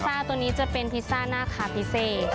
ซ่าตัวนี้จะเป็นพิซซ่าหน้าคาพิเซ